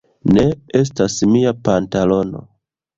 Ne! Estas mia pantalono!